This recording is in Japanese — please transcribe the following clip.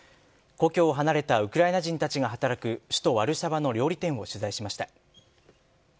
故郷を離れたウクライナ人たちが働く首都・ワルシャワの料理店を取材しました。